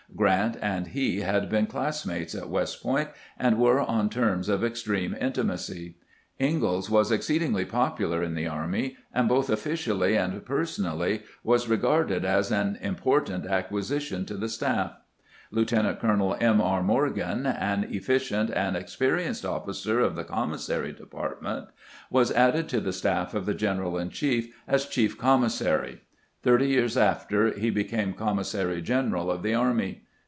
Grant and he had been classmates at West Point, and were on terms of extreme intimacy. Ingalls was exceed ingly popular in the army, and both officially and per 232 CAMPAIGNING WITH GRANT sonally was regarded as an important acquisition to the staff. Lieutenant colonel M. E. Morgan, an efficient and experienced officer of the commissary department, was added to the staff of the general in chief as chief commissary ; thirty years after he became commissary general of the army.